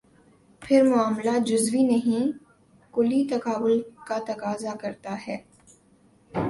پھر معاملہ جزوی نہیں، کلی تقابل کا تقاضا کرتا ہے۔